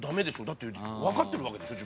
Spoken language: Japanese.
だって分かってるわけでしょ？